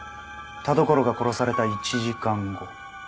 田所が殺された１時間後。